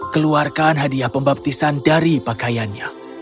keluarkan hadiah pembaptisan dari pakaiannya